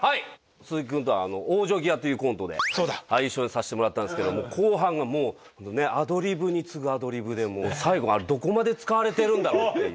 鈴木君とは「往生際」というコントで一緒にさせてもらったんですけども後半がもうねアドリブに次ぐアドリブで最後どこまで使われてるんだろうっていう。